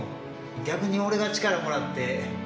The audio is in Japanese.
逆に俺が力をもらって。